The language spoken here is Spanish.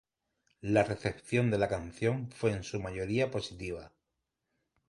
La recepción de la canción fue en su mayoría positiva.